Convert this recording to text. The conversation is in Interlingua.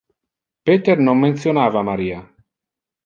Peter non mentionava Maria.